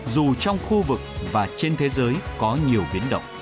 dù trong khu vực và trên thế giới có nhiều biến động